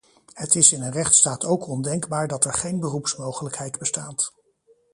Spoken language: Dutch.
Het is in een rechtsstaat ook ondenkbaar dat er geen beroepsmogelijkheid bestaat.